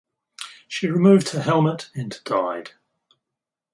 She removed her helmet and died.